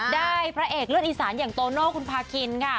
พระเอกเลือดอีสานอย่างโตโน่คุณพาคินค่ะ